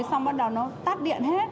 xong bắt đầu nó tắt điện hết